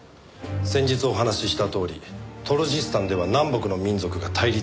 先日お話ししたとおりトルジスタンでは南北の民族が対立しています。